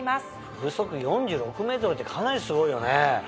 風速４６メートルってかなりすごいよね。